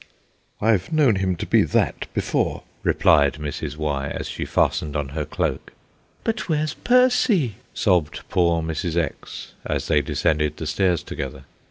"I've known him to be that before," replied Mrs. Y., as she fastened on her cloak. "But where's Percy?" sobbed poor little Mrs. X., as they descended the stairs together.